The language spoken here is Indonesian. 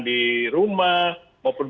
di rumah maupun